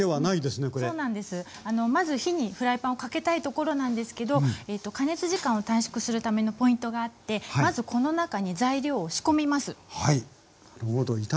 まず火にフライパンをかけたいところなんですけど加熱時間を短縮するためのポイントがあってまずこの中に材料を仕込みます。